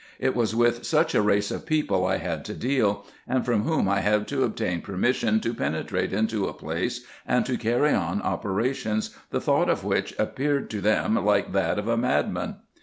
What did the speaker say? It was with such a race of people I had to deal ; and from whom I had to obtain permission to penetrate into a place, and to carry on opera M 82 RESEARCHES AND OPERATIONS lions, the thought of which appeared to them like that of a mad man.